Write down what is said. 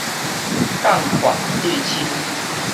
港闊水深